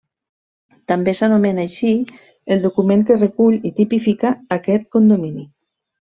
També s'anomena així el document que recull i tipifica aquest condomini.